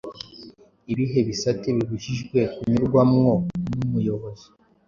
ibihe bisate bibujijwe kunyuramwo n’umuyobozi